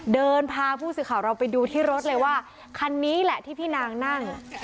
เดินพาผู้สื่อข่าวเราไปดูที่รถเลยว่าคันนี้แหละที่พี่นางนั่ง